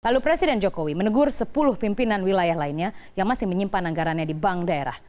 lalu presiden jokowi menegur sepuluh pimpinan wilayah lainnya yang masih menyimpan anggarannya di bank daerah